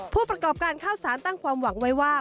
ผู้ประกอบการข้าวสารตั้งความหวังไว้ว่า